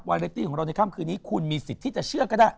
เรตตี้ของเราในค่ำคืนนี้คุณมีสิทธิ์ที่จะเชื่อก็ได้